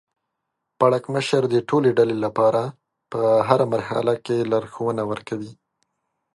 پړکمشر د ټولې ډلې لپاره په هره مرحله کې لارښوونه ورکوي.